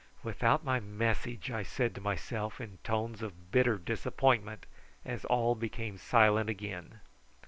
"Without my message," I said to myself in tones of bitter disappointment, as all became silent again.